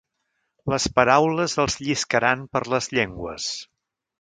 Les paraules els lliscaran per les llengües.